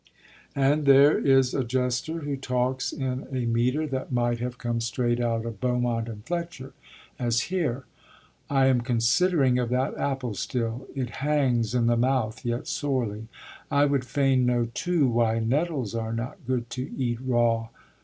And there is a jester who talks in a metre that might have come straight out of Beaumont and Fletcher, as here: I am considering of that apple still; It hangs in the mouth yet sorely; I would fain know too Why nettles are not good to eat raw.